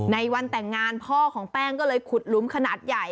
ในวันแต่งงานพ่อของแป้งก็เลยขุดหลุมขนาดใหญ่